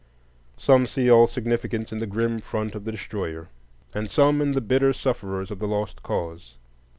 Some see all significance in the grim front of the destroyer, and some in the bitter sufferers of the Lost Cause.